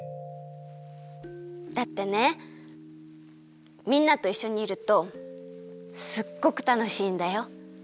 だってねみんなといっしょにいるとすっごくたのしいんだよ。